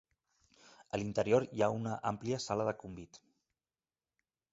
A l'interior hi ha una àmplia sala de convit.